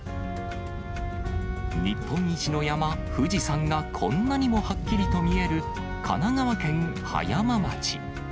日本一の山、富士山がこんなにもはっきりと見える、神奈川県葉山町。